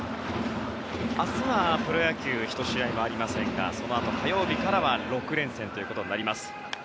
明日はプロ野球１試合もありませんがそのあと火曜日からは６連戦となります。